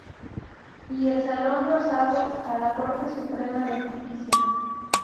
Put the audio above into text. Y el Salón Rosado, a la Corte Suprema de Justicia.